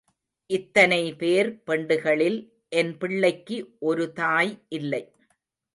இத்தனை பேர் பெண்டுகளில் என் பிள்ளைக்கு ஒரு தாய் இல்லை.